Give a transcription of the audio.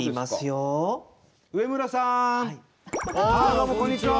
どうもこんにちは！